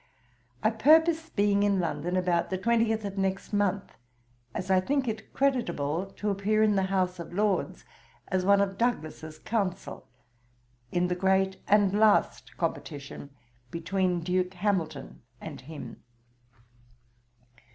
'I purpose being in London about the 20th of next month, as I think it creditable to appear in the House of Lords as one of Douglas's Counsel, in the great and last competition between Duke Hamilton and him.